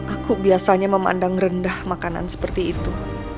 aku biasanya memandang rendah makanan seperti itu